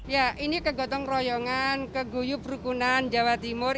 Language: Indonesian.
ya ini kegotong royongan keguyup rukunan jawa timur